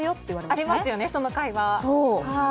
ありますよね、その会話。